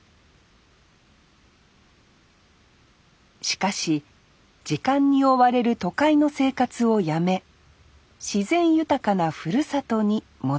しかし時間に追われる都会の生活をやめ自然豊かなふるさとに戻ってきました